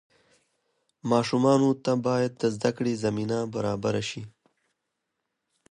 ماشومانو ته باید د زدهکړې زمینه برابره شي.